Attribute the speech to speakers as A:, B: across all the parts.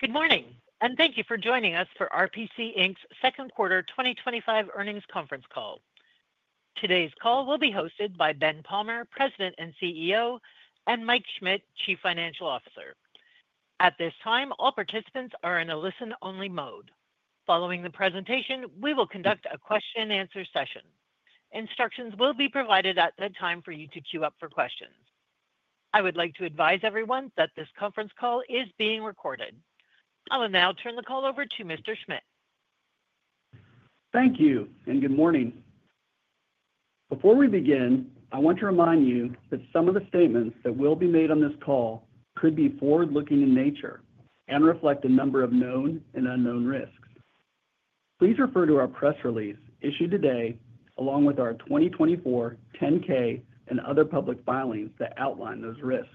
A: Good morning and thank you for joining us for RPC Inc's second quarter 2025 earnings conference call. Today's call will be hosted by Ben Palmer, President and CEO, and Mike Schmit, Chief Financial Officer. At this time, all participants are in a listen-only mode. Following the presentation, we will conduct a question-and-answer session. Instructions will be provided at that time for you to queue up for questions. I would like to advise everyone that this conference call is being recorded. I will now turn the call over to Mr. Schmit.
B: Thank you and good morning. Before we begin, I want to remind you that some of the statements that will be made on this call could be forward-looking in nature and reflect a number of known and unknown risks. Please refer to our press release issued today, along with our 2024 10-K and other public filings that outline those risks,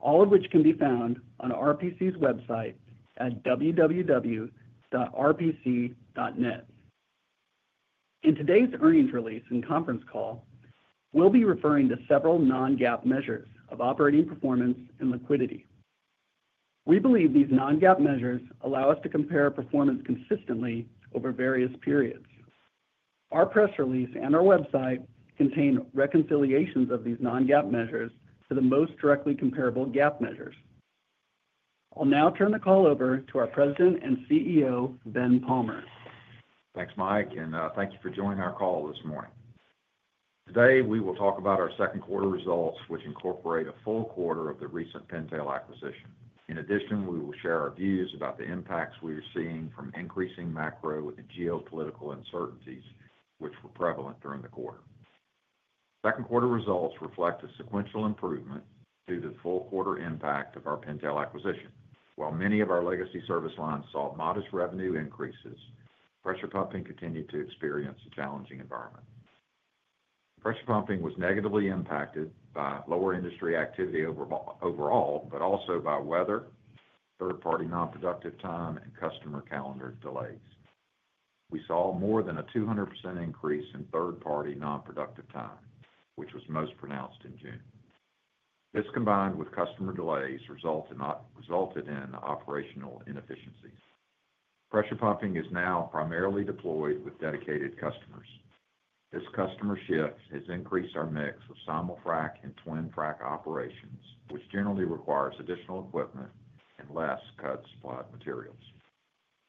B: all of which can be found on RPC's website at www.rpc.net. In today's earnings release and conference call, we'll be referring to several non-GAAP measures of operating performance and liquidity. We believe these non-GAAP measures allow us to compare performance consistently over various periods. Our press release and our website contain reconciliations of these non-GAAP measures to the most directly comparable GAAP measures. I'll now turn the call over to our President and CEO, Ben Palmer.
C: Thanks, Mike, and thank you for joining our call this morning. Today, we will talk about our second quarter results, which incorporate a full quarter of the recent Pintail acquisition. In addition, we will share our views about the impacts we are seeing from increasing macro and geopolitical uncertainties, which were prevalent during the quarter. Second quarter results reflect a sequential improvement due to the full quarter impact of our Pintail acquisition. While many of our legacy service lines saw modest revenue increases, pressure pumping continued to experience a challenging environment. Pressure pumping was negatively impacted by lower industry activity overall, but also by weather, third-party non-productive time, and customer calendar delays. We saw more than a 200% increase in third-party non-productive time, which was most pronounced in June. This, combined with customer delays, resulted in operational inefficiencies. Pressure pumping is now primarily deployed with dedicated customers. This customer shift has increased our mix with simul frac and twin frac operations, which generally requires additional equipment and less cut supplied materials.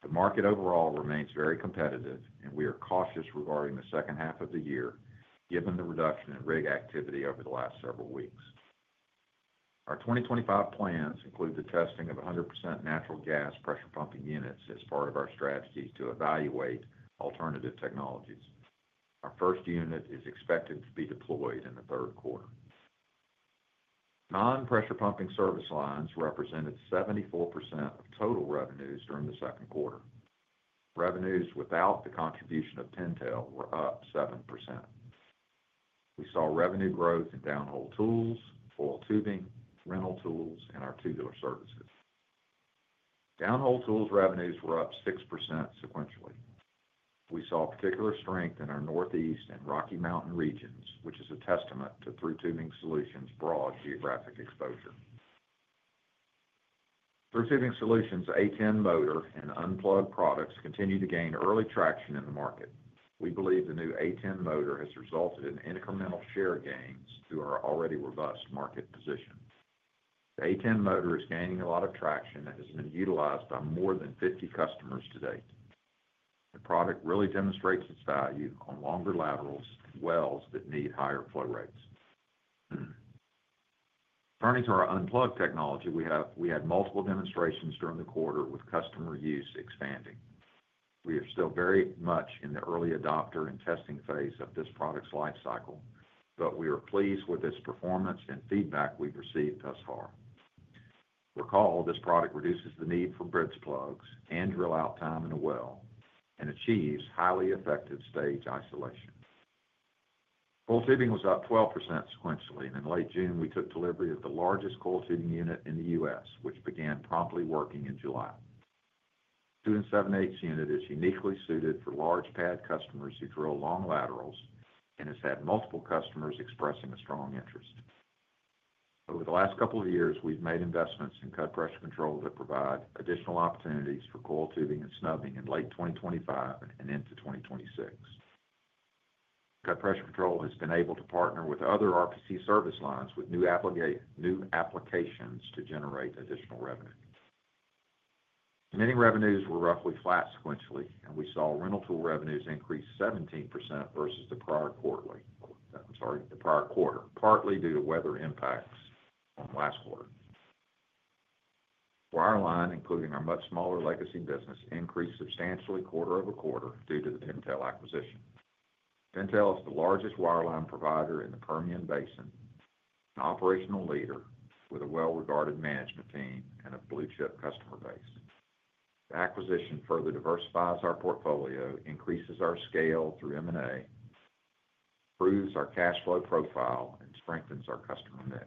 C: The market overall remains very competitive, and we are cautious regarding the second half of the year, given the reduction in rig activity over the last several weeks. Our 2025 plans include the testing of 100% natural gas pressure pumping units as part of our strategies to evaluate alternative technologies. Our first unit is expected to be deployed in the third quarter. Non-pressure pumping service lines represented 74% of total revenues during the second quarter. Revenues without the contribution of Pintail were up 7%. We saw revenue growth in downhole tools, coiled tubing, rental tools, and our tubular services. Downhole tools revenues were up 6% sequentially. We saw particular strength in our Northeast and Rocky Mountain regions, which is a testament to Thru Tubing Solutions' broad geographic exposure. Thru Tubing Solutions' A10 motor and unplugged technology products continue to gain early traction in the market. We believe the new A10 motor has resulted in incremental share gains through our already robust market position. The A10 motor is gaining a lot of traction and has been utilized by more than 50 customers to date. The product really demonstrates its value on longer laterals and wells that need higher flow rates. Turning to our unplugged technology, we had multiple demonstrations during the quarter with customer use expanding. We are still very much in the early adopter and testing phase of this product's lifecycle, but we are pleased with its performance and feedback we've received thus far. Recall, this product reduces the need for bridge plugs and drill out time in a well and achieves highly effective stage isolation. Coiled tubing was up 12% sequentially, and in late June, we took delivery of the largest coiled tubing unit in the U.S., which began promptly working in July. This 7/8 unit is uniquely suited for large pad customers who drill long laterals and has had multiple customers expressing a strong interest. Over the last couple of years, we've made investments in cut pressure control that provide additional opportunities for coiled tubing and snubbing in late 2025 and into 2026. Cut pressure control has been able to partner with other RPC service lines with new applications to generate additional revenue. Many revenues were roughly flat sequentially, and we saw rental tool revenues increase 17% versus the prior quarter, partly due to weather impacts on the last quarter. Wireline, including our much smaller legacy business, increased substantially quarter over quarter due to the Pintail acquisition. Pintail is the largest wireline provider in the Permian Basin, an operational leader with a well-regarded management team and a blue-chip customer base. The acquisition further diversifies our portfolio, increases our scale through M&A, improves our cash flow profile, and strengthens our customer mix.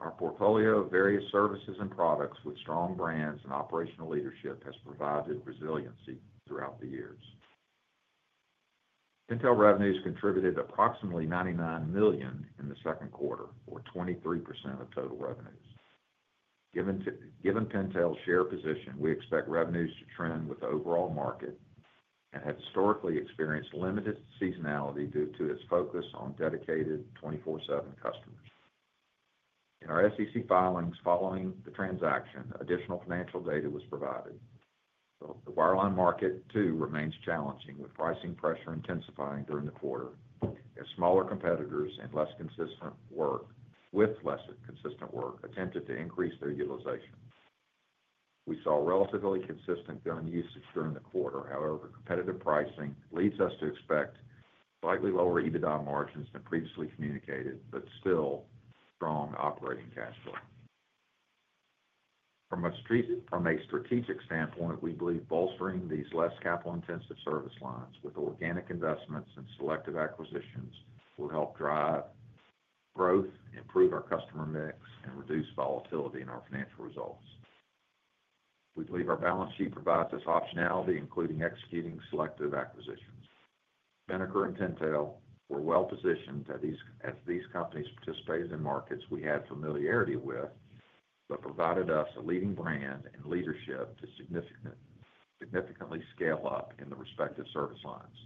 C: Our portfolio of various services and products with strong brands and operational leadership has provided resiliency throughout the years. Pintail revenues contributed approximately $99 million in the second quarter, or 23% of total revenues. given Pintail share position, we expect revenues to trend with the overall market and have historically experienced limited seasonality due to its focus on dedicated 24/7 customers. In our SEC filings following the transaction, additional financial data was provided. The wireline market, too, remains challenging, with pricing pressure intensifying during the quarter as smaller competitors and less consistent work attempted to increase their utilization. We saw relatively consistent gun usage during the quarter, however, competitive pricing leads us to expect slightly lower EBITDA margins than previously communicated, but still strong operating cash flow. From a strategic standpoint, we believe bolstering these less capital-intensive service lines with organic investments and selective acquisitions will help drive growth, improve our customer mix, and reduce volatility in our financial results. We believe our balance sheet provides us optionality, including executing selective acquisitions. Spinnaker and Pintail were well-positioned as these companies participated in markets we had familiarity with, but provided us a leading brand and leadership to significantly scale up in the respective service lines.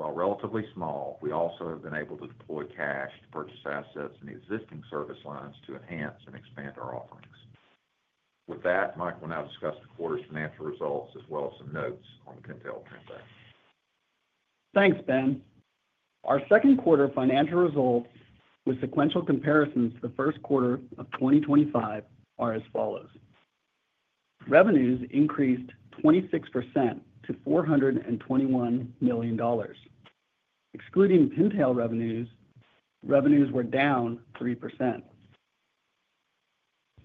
C: While relatively small, we also have been able to deploy cash to purchase assets in existing service lines to enhance and expand our offerings. With that, Mike, we'll now discuss the quarter's financial results as well as some notes on the Pintail campaign.
B: Thanks, Ben. Our second quarter financial result with sequential comparisons to the first quarter of 2025 are as follows. Revenues increased 26% to $421 million. Excluding Pintail revenues, revenues were down 3%.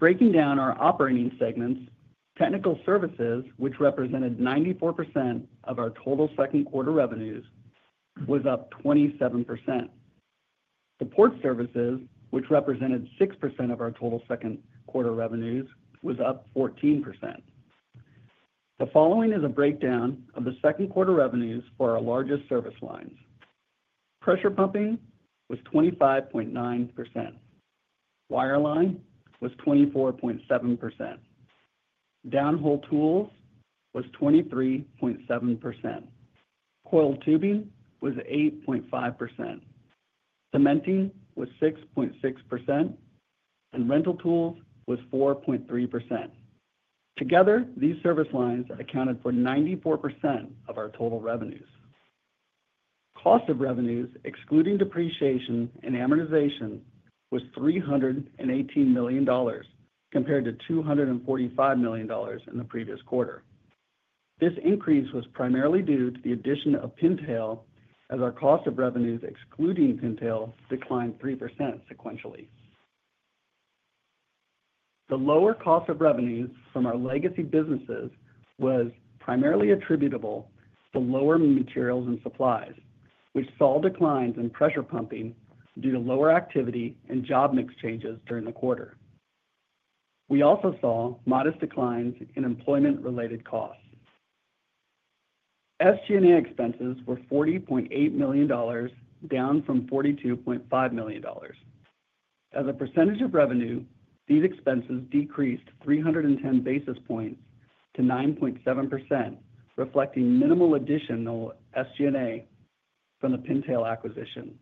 B: Breaking down our operating segments, technical services, which represented 94% of our total second quarter revenues, was up 27%. Support services, which represented 6% of our total second quarter revenues, was up 14%. The following is a breakdown of the second quarter revenues for our largest service lines. Pressure pumping was 25.9%. Wireline was 24.7%. Downhole tools was 23.7%. Coiled tubing was 8.5%. Cementing was 6.6%. Rental tools was 4.3%. Together, these service lines accounted for 94% of our total revenues. Cost of revenues, excluding depreciation and amortization, was $318 million compared to $245 million in the previous quarter. This increase was primarily due to the addition of Pintail, as our cost of revenues, excluding Pintail, declined 3% sequentially. The lower cost of revenues from our legacy businesses was primarily attributable to lower materials and supplies, which saw declines in pressure pumping due to lower activity and job mix changes during the quarter. We also saw modest declines in employment-related costs. SG&A expenses were $40.8 million, down from $42.5 million. As a percentage of revenue, these expenses decreased 310 basis points to 9.7%, reflecting minimal additional SG&A from the Pintail acquisition,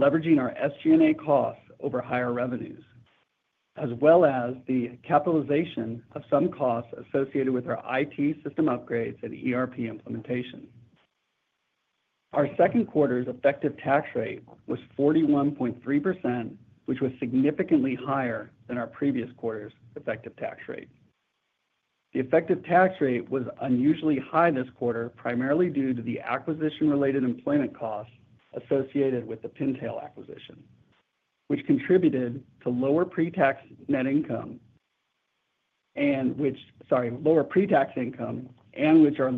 B: leveraging our SG&A costs over higher revenues, as well as the capitalization of some costs associated with our IT system upgrades and ERP implementation. Our second quarter's effective tax rate was 41.3%, which was significantly higher than our previous quarter's effective tax rate. The effective tax rate was unusually high this quarter, primarily due to the acquisition-related employment costs associated with the Pintail acquisition, which contributed to lower pre-tax income and which are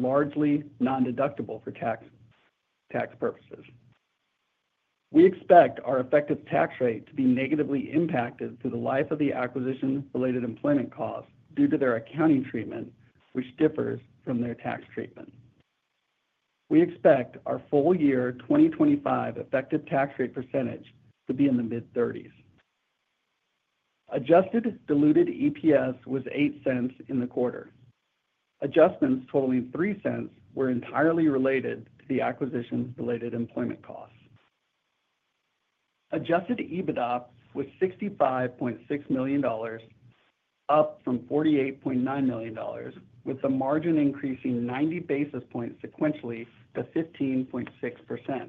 B: largely non-deductible for tax purposes. We expect our effective tax rate to be negatively impacted through the life of the acquisition-related employment costs due to their accounting treatment, which differs from their tax treatment. We expect our full year 2025 effective tax rate percentage to be in the mid-30s. Adjusted diluted EPS was $0.08 in the quarter. Adjustments totaling $0.03 were entirely related to the acquisition-related employment costs. Adjusted EBITDA was $65.6 million, up from $48.9 million, with the margin increasing 90 basis points sequentially to 15.6%.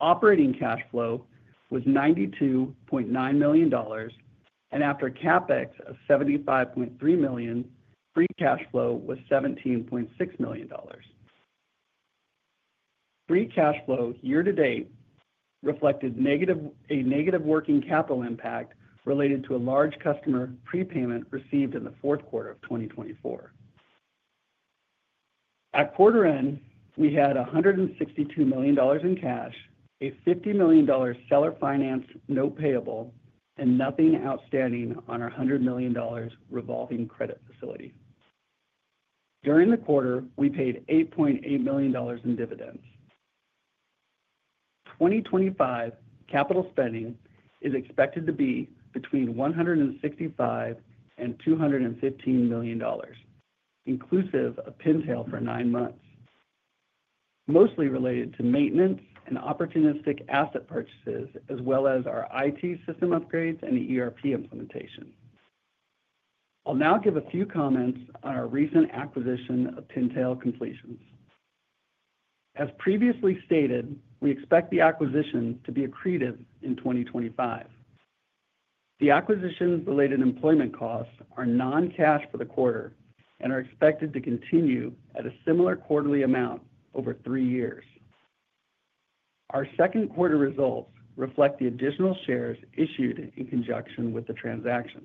B: Operating cash flow was $92.9 million, and after a CapEx of $75.3 million, free cash flow was $17.6 million. Free cash flow year to date reflected a negative working capital impact related to a large customer prepayment received in the fourth quarter of 2024. At quarter end, we had $162 million in cash, a $50 million seller finance note payable, and nothing outstanding on our $100 million revolving credit facility. During the quarter, we paid $8.8 million in dividends. 2025 capital spending is expected to be between $165 million and $215 million, inclusive of Pintail for nine months, mostly related to maintenance and opportunistic asset purchases, as well as our IT system upgrades and ERP implementation. I'll now give a few comments on our recent acquisition of Pintail. As previously stated, we expect the acquisition to be accretive in 2025. The acquisition-related employment costs are non-cash for the quarter and are expected to continue at a similar quarterly amount over three years. Our second quarter results reflect the additional shares issued in conjunction with the transaction.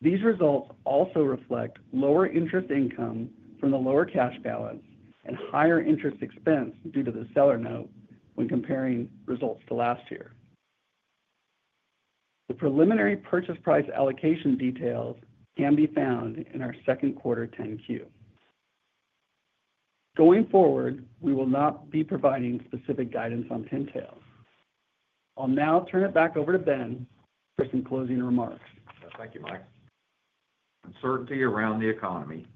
B: These results also reflect lower interest income from the lower cash balance and higher interest expense due to the seller note when comparing results to last year. The preliminary purchase price allocation details can be found in our second quarter 10-Q. Going forward, we will not be providing specific guidance on Pintail. I'll now turn it back over to Ben for some closing remarks.
C: Thank you, Mike. Uncertainty around the economy,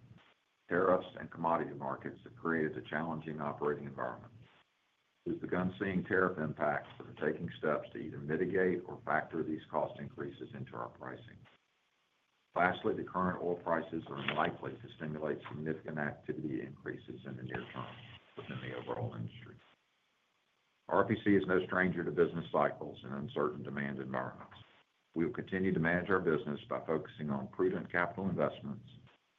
C: tariffs, and commodity markets have created a challenging operating environment. As the company is seeing tariff impacts, we're taking steps to either mitigate or factor these cost increases into our pricing. Lastly, the current oil prices are unlikely to stimulate significant activity increases in the near term in the overall industry. RPC is no stranger to business cycles and uncertain demand environments. We will continue to manage our business by focusing on prudent capital investments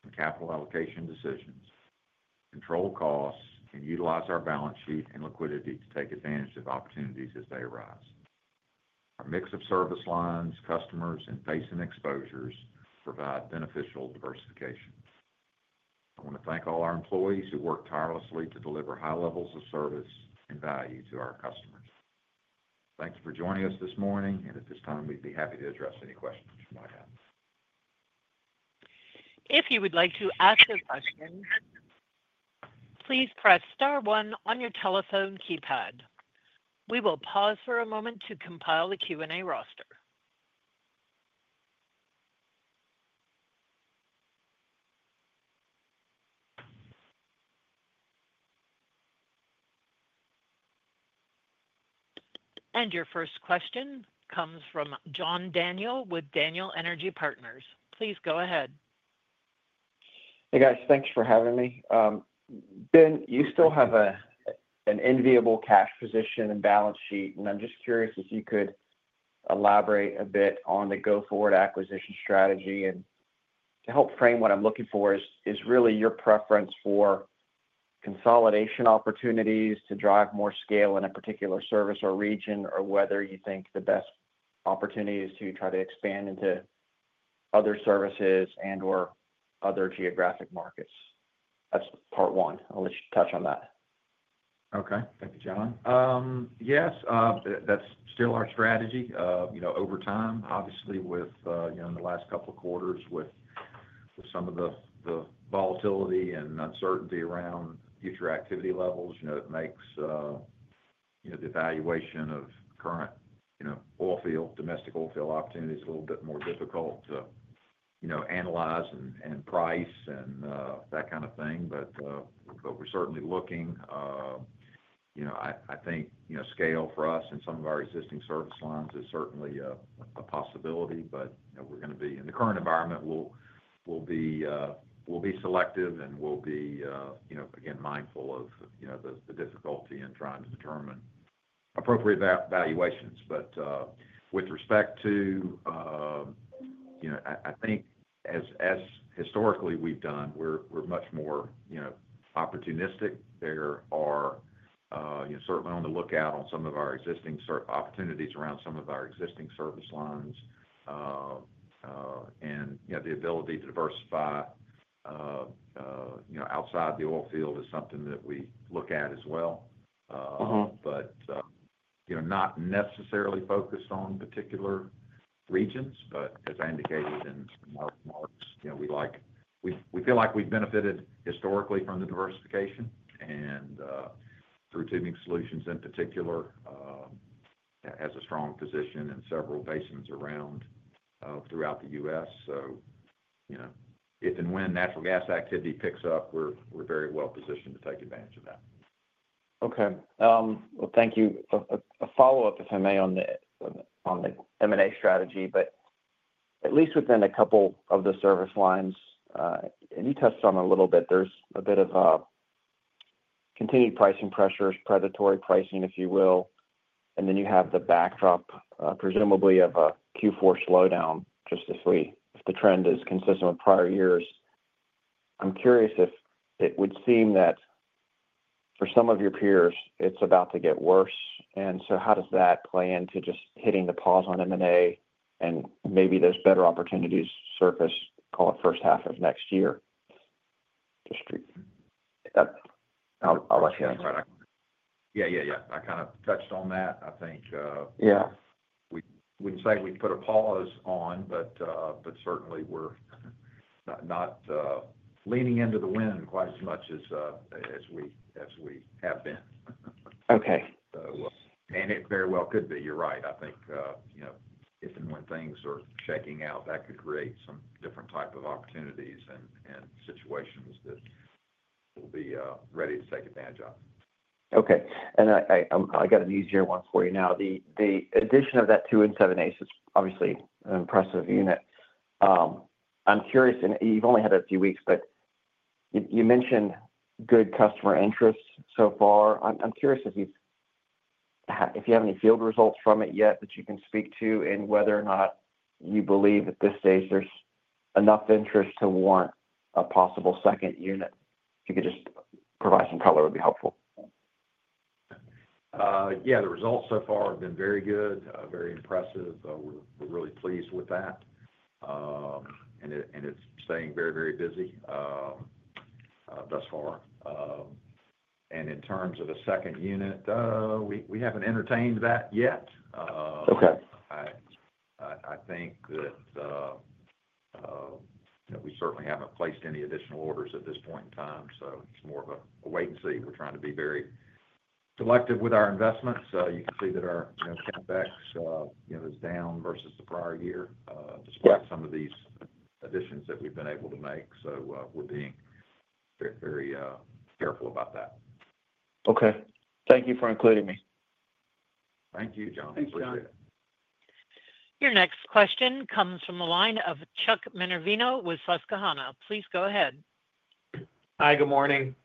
C: and capital allocation decisions, control costs, and utilize our balance sheet and liquidity to take advantage of opportunities as they arise. Our mix of service lines, customers, and patient exposures provide beneficial diversification. I want to thank all our employees who work tirelessly to deliver high levels of service and value to our customers. Thank you for joining us this morning, and at this time, we'd be happy to address any questions.
A: If you would like to ask a question, please press star one on your telephone keypad. We will pause for a moment to compile the Q&A roster. Your first question comes from John Daniel with Daniel Energy Partners. Please go ahead.
D: Hey, guys, thanks for having me. Ben, you still have an enviable cash position and balance sheet, and I'm just curious if you could elaborate a bit on the go-forward acquisition strategy. To help frame what I'm looking for is really your preference for consolidation opportunities to drive more scale in a particular service or region, or whether you think the best opportunity is to try to expand into other services and/or other geographic markets. That's part one. I'll let you touch on that.
C: Okay. Thank you, Challenge. Yes, that's still our strategy. Over time, obviously, in the last couple of quarters, with some of the volatility and uncertainty around future activity levels, it makes the evaluation of current oil field, domestic oil field opportunities a little bit more difficult to analyze and price and that kind of thing. We're certainly looking. I think scale for us and some of our existing service lines is certainly a possibility. We're going to be in the current environment. We'll be selective and we'll be mindful of the difficulty in trying to determine appropriate valuations. With respect to, as historically we've done, we're much more opportunistic. There are certainly on the lookout on some of our existing opportunities around some of our existing service lines. The ability to diversify outside the oil field is something that we look at as well. Not necessarily focused on particular regions, but as I indicated in some of our remarks, we feel like we've benefited historically from the diversification and Thru Tubing Solutions in particular has a strong position in several basins throughout the U.S. If and when natural gas activity picks up, we're very well positioned to take advantage of that.
D: Thank you. A follow-up, if I may, on the M&A strategy, but at least within a couple of the service lines, and you touched on it a little bit, there's a bit of continued pricing pressures, predatory pricing, if you will. You have the backdrop, presumably, of a Q4 slowdown, just to see if the trend is consistent with prior years. I'm curious if it would seem that for some of your peers, it's about to get worse. How does that play into just hitting the pause on M&A and maybe there's better opportunities surface, call it, first half of next year?
C: I'll let you answer that. I kind of touched on that. I think we wouldn't say we put a pause on, but certainly, we're not leaning into the wind quite as much as we have been.
D: Okay.
C: You're right. I think, you know, if and when things are shaking out, that could create some different type of opportunities and situations that we'll be ready to take advantage of.
D: Okay. I got an easier one for you now. The addition of that 2.875 is obviously an impressive unit. I'm curious, and you've only had a few weeks, but you mentioned good customer interest so far. I'm curious if you have any field results from it yet that you can speak to and whether or not you believe at this stage there's enough interest to warrant a possible second unit. If you could just provide some color, it would be helpful.
C: Yeah, the results so far have been very good, very impressive. We're really pleased with that. It's staying very, very busy thus far. In terms of a second unit, we haven't entertained that yet. I think that we certainly haven't placed any additional orders at this point in time. It is more of a wait-and-see. We're trying to be very selective with our investments. You can see that our CapEx is down versus the prior year, despite some of these additions that we've been able to make. We're being very, very careful about that.
D: Okay, thank you for including me.
C: Thank you, John.
B: Thanks, John.
C: Appreciate it.
A: Your next question comes from the line of Charles Minervino with Susquehanna. Please go ahead.
E: Hi, good morning.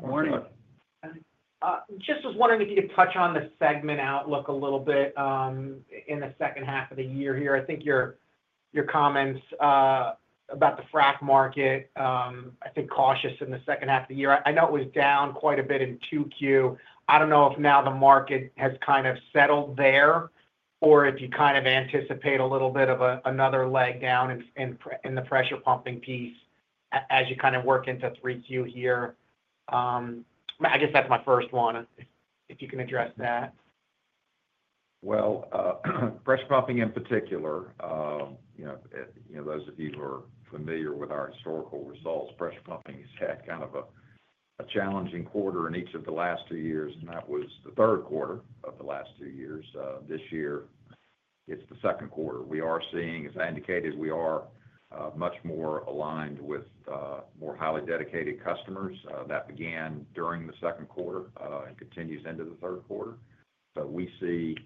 D: Morning.
E: I was wondering if you could touch on the segment outlook a little bit in the second half of the year. I think your comments about the frac market, I think cautious in the second half of the year. I know it was down quite a bit in 2Q. I don't know if now the market has kind of settled there or if you anticipate a little bit of another leg down in the pressure pumping piece as you work into 3Q. I guess that's my first one, if you can address that.
C: Pressure pumping in particular, you know, those of you who are familiar with our historical results, pressure pumping has had kind of a challenging quarter in each of the last two years, and that was the third quarter of the last two years. This year, it's the second quarter. We are seeing, as I indicated, we are much more aligned with more highly dedicated customers that began during the second quarter and continues into the third quarter. We see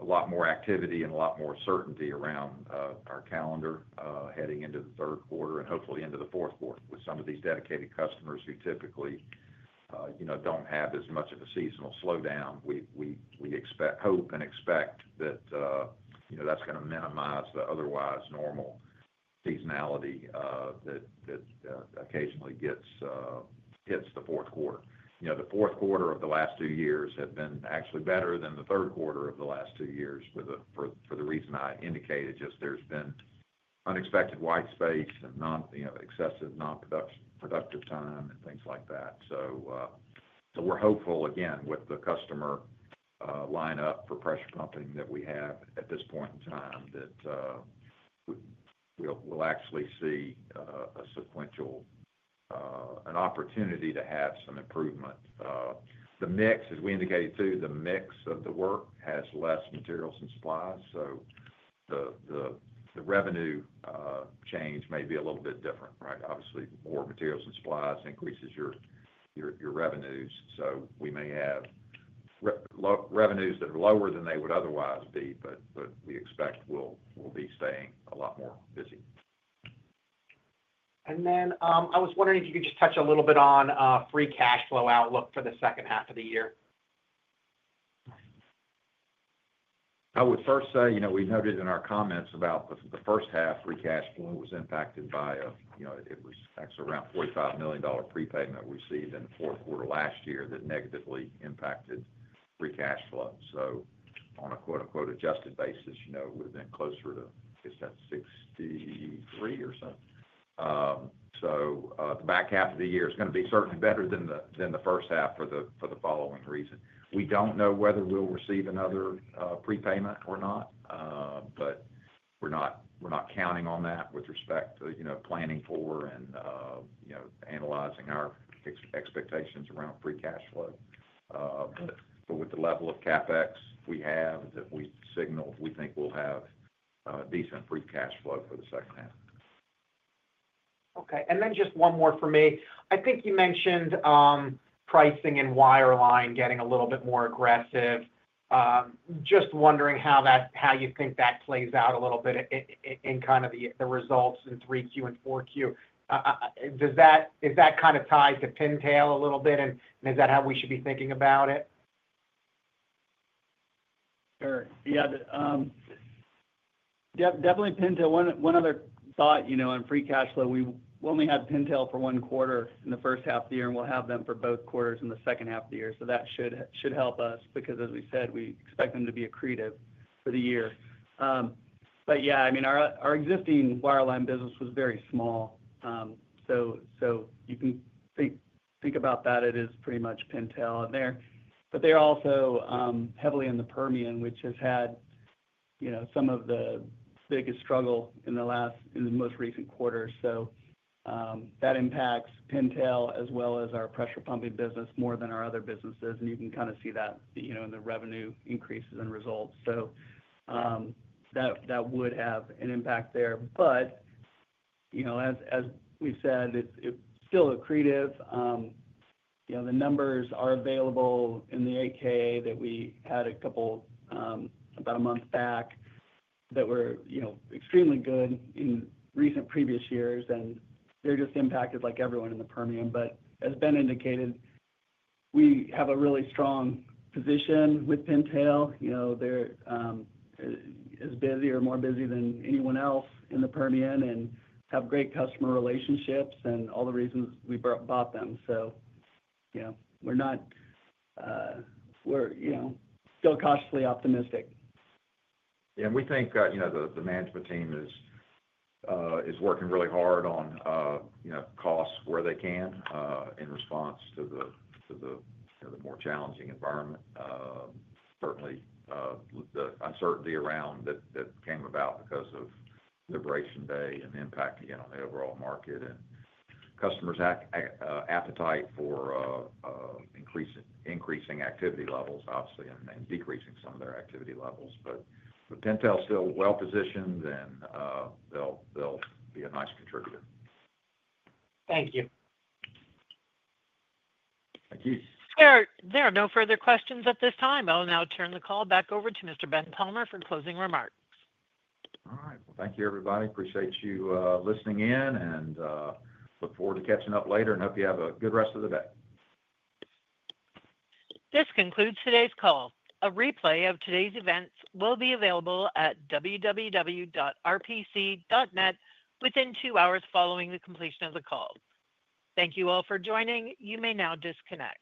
C: a lot more activity and a lot more certainty around our calendar heading into the third quarter and hopefully into the fourth quarter with some of these dedicated customers who typically, you know, don't have as much of a seasonal slowdown. We expect, hope, and expect that, you know, that's going to minimize the otherwise normal seasonality that occasionally hits the fourth quarter. The fourth quarter of the last two years had been actually better than the third quarter of the last two years for the reason I indicated. Just there's been unexpected white space and excessive non-productive time and things like that. We're hopeful, again, with the customer lineup for pressure pumping that we have at this point in time, that we'll actually see a sequential, an opportunity to have some improvement. The mix, as we indicated too, the mix of the work has less materials and supplies. The revenue change may be a little bit different, right? Obviously, more materials and supplies increases your revenues. We may have revenues that are lower than they would otherwise be, but we expect we'll be staying a lot more busy.
E: I was wondering if you could just touch a little bit on free cash flow outlook for the second half of the year.
C: I would first say, you know, we noted in our comments about the first half, free cash flow was impacted by a, you know, it was actually around a $45 million prepayment received in the fourth quarter last year that negatively impacted free cash flow. On a quote-unquote "adjusted basis," you know, it would have been closer to, I guess, that $63 million or something. The back half of the year is going to be certainly better than the first half for the following reason. We don't know whether we'll receive another prepayment or not. We're not counting on that with respect to, you know, planning for and, you know, analyzing our expectations around free cash flow. With the level of CapEx we have that we signaled, we think we'll have decent free cash flow for the second half.
E: Okay. Just one more for me. I think you mentioned pricing and wireline getting a little bit more aggressive. Just wondering how that, how you think that plays out a little bit in kind of the results in 3Q and 4Q. Does that, is that kind of tied to Pintail a little bit? Is that how we should be thinking about it?
B: Yeah. Definitely Pintail. One other thought, you know, on free cash flow, we only had Pintail for one quarter in the first half of the year, and we'll have them for both quarters in the second half of the year. That should help us because, as we said, we expect them to be accretive for the year. Yeah, I mean, our existing wireline business was very small. You can think about that. It is pretty much Pintail there. They're also heavily in the Permian, which has had, you know, some of the biggest struggle in the last, in the most recent quarter. That impacts Pintail as well as our pressure pumping business more than our other businesses. You can kind of see that, you know, in the revenue increases and results. That would have an impact there. You know, as we've said, it's still accretive. You know, the numbers are available in the 8K that we had a couple, about a month back that were, you know, extremely good in recent previous years. They're just impacted like everyone in the Permian. As Ben indicated, we have a really strong position with Pintail. They're as busy or more busy than anyone else in the Permian and have great customer relationships and all the reasons we bought them. You know, we're not, we're, you know, still cautiously optimistic.
C: Yeah, we think the management team is working really hard on costs where they can, in response to the more challenging environment. Certainly, the uncertainty around that came about because of Liberation Day and the impact, again, on the overall market and customers' appetite for increasing activity levels, obviously, and decreasing some of their activity levels. Pintail is still well positioned, and they'll be a nice contributor.
E: Thank you.
C: Thank you.
A: There are no further questions at this time. I'll now turn the call back over to Mr. Ben Palmer for closing remarks.
C: All right. Thank you, everybody. Appreciate you listening in, and look forward to catching up later, and hope you have a good rest of the day.
A: This concludes today's call. A replay of today's events will be available at www.rpc.net within two hours following the completion of the call. Thank you all for joining. You may now disconnect.